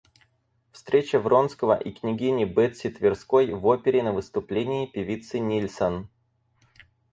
Встреча Вронского и княгини Бетси Тверской в опере на выступлении певицы Нильсон.